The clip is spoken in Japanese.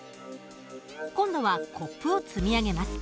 今度はコップを積み上げます。